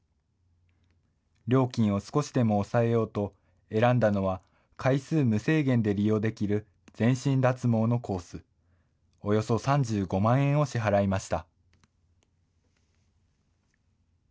料金を少しでも抑えようと、選んだのは回数無制限で利用できる全身脱毛のコース、およそ３５万円を支払いました。